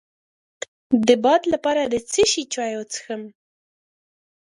د باد لپاره د څه شي چای وڅښم؟